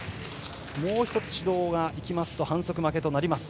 もう１つ指導が行きますと反則負けとなります。